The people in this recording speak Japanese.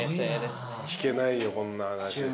聞けないよこんな話。